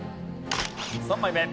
３枚目。